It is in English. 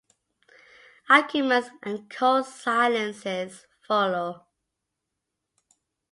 Arguments and cold silences follow.